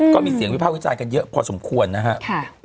ก็มีเสียงวิภาควิจารณ์กันเยอะพอสมควรนะครับ